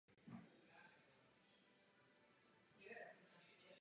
Vstup do hradu byl řešen neobvyklým způsobem.